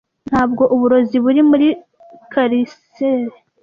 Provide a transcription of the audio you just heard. ntabwo uburozi buri muri chalices